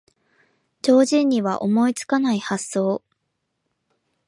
常人には思いつかない発想